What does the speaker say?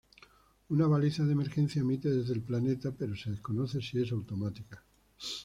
Una baliza de emergencia emite desde el planeta pero se desconoce si es automática.